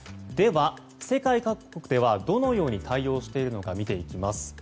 では、世界各国ではどのように対応しているのか見ていきます。